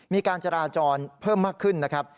มีการจราจรเพิ่มมากขึ้นนะครับ